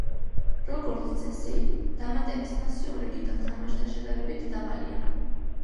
როგორც წესი, დამატების ფასი ორიგინალ თამაშთან შედარებით დაბალია.